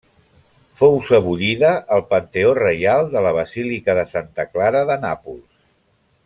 Fou sebollida al panteó reial de la Basílica de Santa Clara de Nàpols.